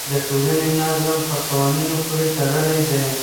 د ټولنې نظم په قوانینو پورې تړلی دی.